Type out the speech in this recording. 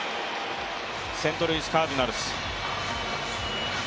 セントルイス・カージナルス。